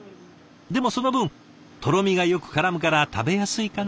でもその分とろみがよくからむから食べやすいかな？